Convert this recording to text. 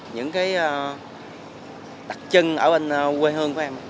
những đặc trưng ở phố phê giới thiệu về nhà em